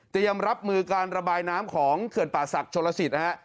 รับมือการระบายน้ำของเขื่อนป่าศักดิ์ชนลสิตนะฮะ